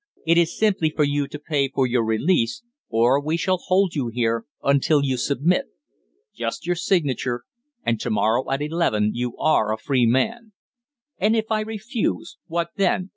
"It is simply for you to pay for your release; or we shall hold you here until you submit. Just your signature, and to morrow at eleven you are a free man." "And if I refuse, what then?"